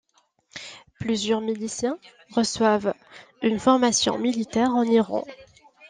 Plusieurs miliciens reçoivent une formation militaire en Iran.